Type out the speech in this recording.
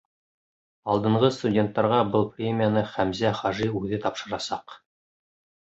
Алдынғы студенттарға был премияны Хәмзә хажи үҙе тапшырасаҡ.